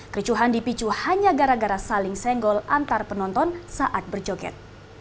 kericuhan dipicu hanya gara gara saling senggol antar penonton saat berjoget